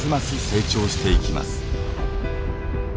成長していきます。